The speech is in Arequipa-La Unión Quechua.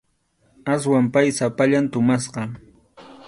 Aswan pay sapallan tumasqa.